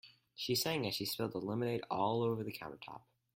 She sang as she spilled lemonade all over the countertop.